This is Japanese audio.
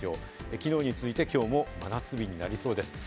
きのうに続いて今日も真夏日になりそうです。